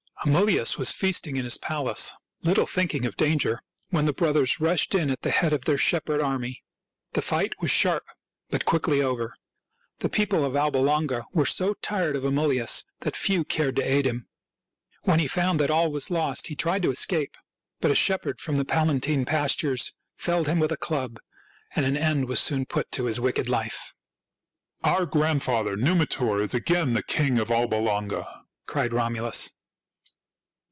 Amulius was feasting in his palace, little think ing of danger, when the brothers rushed in at the head of their shepherd army. The fight was sharp but quickly over. The people of Alba Longa were so tired of Amulius that few cared to aid him. When he found that all was lost he tried to escape ; but a shepherd from the Palatine pastures felled him with a club, and an end was soon put to his wicked life. " Our grandfather, Numitor, is again the king of Alba Longa !" cried Romulus.